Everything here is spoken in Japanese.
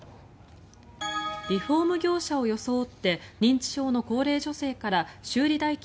リフォーム業者を装って認知症の高齢女性から修理代金